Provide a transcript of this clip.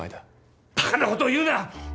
バカなことを言うな！